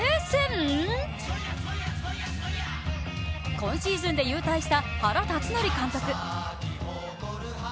今シーズンで勇退した原辰徳監督。